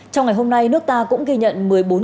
trong ngày hôm nay nước ta cũng ghi nhận